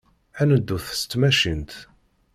Ad neddut s tmacint.